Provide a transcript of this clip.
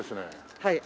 はい。